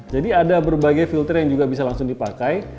jadi ada berbagai filter yang juga bisa langsung dipakai